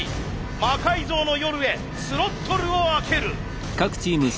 「魔改造の夜」へスロットルを開ける。